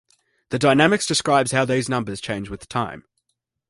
The dynamics describes how these numbers change with time.